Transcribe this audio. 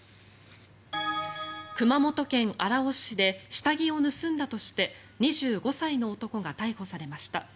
熊本県荒尾市で下着を盗んだとして２５歳の男が逮捕されました。